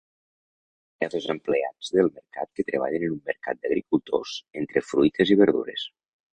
Hi ha dos empleats del mercat que treballen en un mercat d'agricultors entre fruites i verdures.